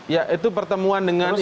ya itu pertemuan dengan